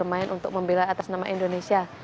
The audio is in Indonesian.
main untuk membela atas nama indonesia